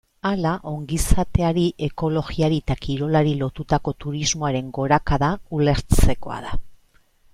Hala, ongizateari, ekologiari eta kirolari lotutako turismoaren gorakada ulertzekoa da.